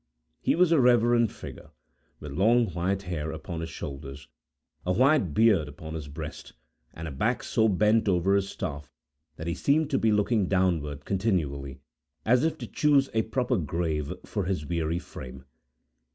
He was a reverend figure, with long, white hair upon his shoulders, a white beard upon his breast, and a back so bent over his staff, that he seemed to be looking downward, continually, as if to choose a proper grave for his weary frame.